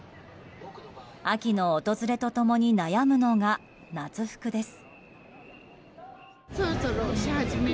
秋の訪れと共に悩むのが夏服です。